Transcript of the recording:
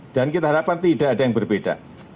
dan kita harapkan tidak ada yang berbeda